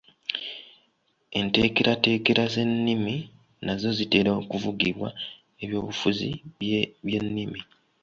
Enteekerateekera z’ennimi nazo zitera okuvugibwa eby’obufuzi by’ebyennimi